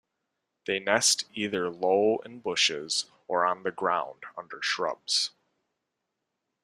They nest either low in bushes or on the ground under shrubs.